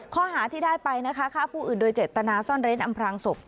ข้อหาที่ได้ไปนะคะฆ่าผู้อื่นโดยเจตนาซ่อนเร้นอำพลางศพ